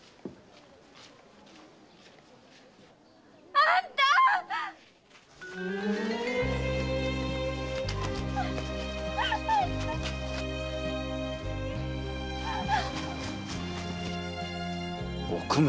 あんたっ‼おくめ！